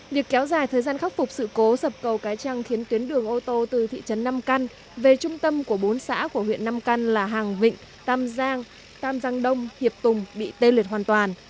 việc kéo dài thời gian khắc phục sự cố sập cầu cái trăng khiến tuyến đường ô tô từ thị trấn nam căn về trung tâm của bốn xã của huyện nam căn là hàng vịnh tam giang tam giang đông hiệp tùng bị tê liệt hoàn toàn